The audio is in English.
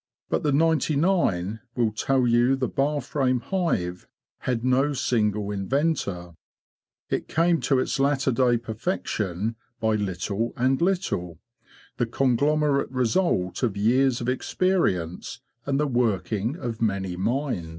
But the ninety nine will tell you the bar frame hive had no single inventor; it came to its latter day perfection by little and little—the con glomerate result of years of experience and the working of many minds.